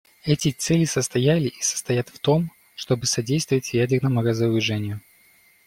Эти цели состояли и состоят в том, чтобы содействовать ядерному разоружению.